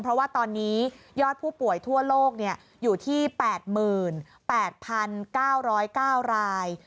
เพราะว่าตอนนี้ยอดผู้ป่วยทั่วโลกอยู่ที่๘๘๙๐๙ราย